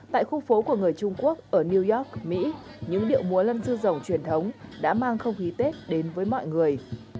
tại khu phố của người trung quốc ở new york mỹ những điệu múa lân sư rồng truyền thống đã mang không khí tết đến với mọi người